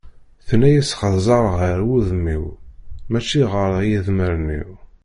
Tenna-yas xẓer-d ɣer wudem-iw, mačči ɣer yedmaren-iw.